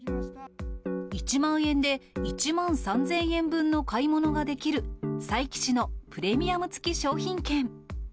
１万円で、１万３０００円分の買い物ができる佐伯市のプレミアム付商品券。